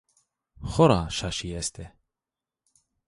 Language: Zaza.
Xora şaşî est ê